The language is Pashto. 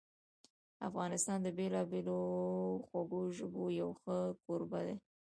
افغانستان د بېلابېلو خوږو ژبو یو ښه کوربه ده.